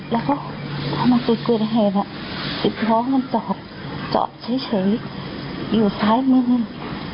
แล้วก็ถ้ามันจีบกวีดแฮนจีบร้องมันจอดจอดเฉยอยู่ซ้ายมือนึง